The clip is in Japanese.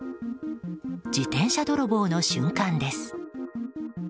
自転車泥棒の瞬間です。